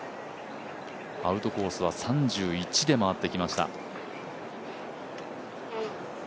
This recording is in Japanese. アウトコースは３１で回ってきました。